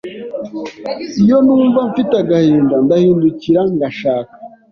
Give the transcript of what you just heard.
Iyo numva mfite agahinda Ndahindukira ngashaka